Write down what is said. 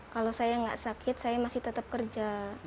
kalau saya nggak sakit saya masih tetap kerja